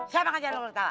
siapa yang jalan lo ketawa